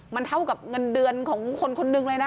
มันเท่ากับเงินเดือนของคนคนหนึ่งเลยนะ